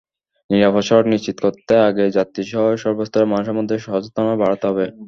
নিরাপদ সড়ক নিশ্চিত করতে আগে যাত্রীসহ সর্বস্তরের মানুষের মধ্যে সচেতনতা বাড়াতে হবে।